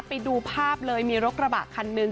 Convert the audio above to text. ไปดูภาพเลยมีรถกระบะคันหนึ่ง